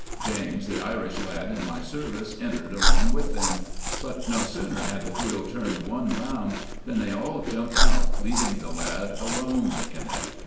James, the Irish lad in my service, entered along with them ; but no sooner had the wheel turned once round, than they all jumped out, leaving the lad alone in it.